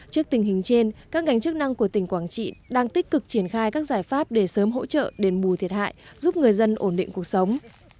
trước tình hình trên các ngành chức năng của tỉnh quảng trị đang tích cực triển khai các giải pháp để sớm hỗ trợ đền bù thiệt hại giúp người dân ổn định cuộc sống